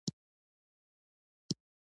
کلي د افغانستان د ولایاتو په کچه توپیر لري.